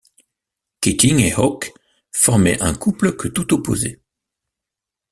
Keating et Hawke formait un couple que tout opposait.